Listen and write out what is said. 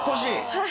はい。